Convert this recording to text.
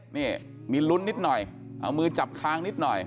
นี่มีลุ้นนิดหน่อยเอามือจับค้างนิดหน่อย